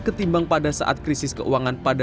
ketimbang pada saat krisis keuangan pada dua ribu delapan